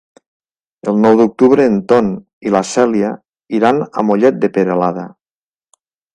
El nou d'octubre en Ton i na Cèlia iran a Mollet de Peralada.